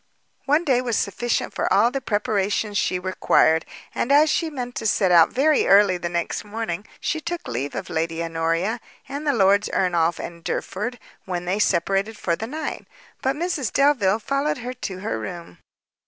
One day was sufficient for all the preparations she required, and, as she meant to set out very early the next morning, she took leave of Lady Honoria, and the Lords Ernolf and Derford, when they separated for the night; but Mrs Delvile followed her to her room.